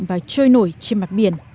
và trôi nổi trên mặt biển